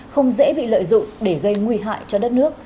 không dễ bị lợi dụng để gây nguy hại cho đất nước